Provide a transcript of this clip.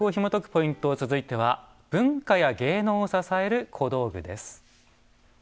ポイント続いては「文化や芸能を支える小道具」。